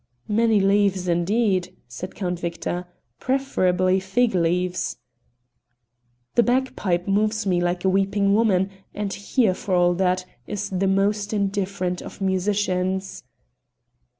"Many leaves, indeed," said Count Victor "preferably fig leaves." "The bagpipe moves me like a weeping woman, and here, for all that, is the most indifferent of musicians."